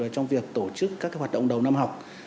trong việc tổ chức các hoạt động đầu năm học